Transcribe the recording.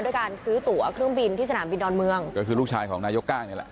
ด้วยการซื้อตัวเครื่องบินที่สนามบินดอนเมืองก็คือลูกชายของนายกก้างนี่แหละ